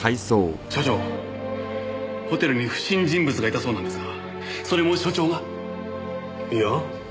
所長ホテルに不審人物がいたそうなんですがそれも所長が？いや。